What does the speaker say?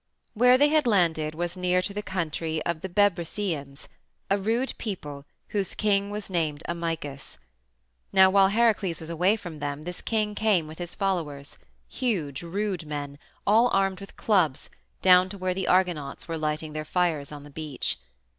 Where they had landed was near to the country of the Bebrycians, a rude people whose king was named Amycus. Now while Heracles was away from them this king came with his followers, huge, rude men, all armed with clubs, down to where the Argonauts were lighting their fires on the beach.